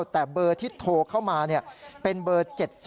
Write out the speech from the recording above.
แต่เบอร์ที่โทรเข้ามาเป็นเบอร์๗๐